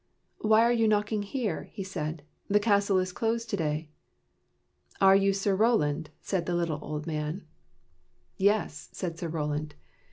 " Why are you knocking here? " he said. " The castle is closed to day.' " Are you Sir Roland? " said the little old man. "Yes," said Sir Roland.